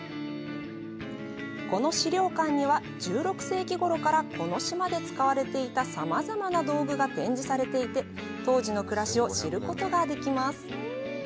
この資料館には、１６世紀ごろから、この島で使われていたさまざまな道具が展示されていて、当時の暮らしを知ることができます。